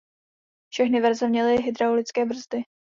Všechny verze měly hydraulické brzdy.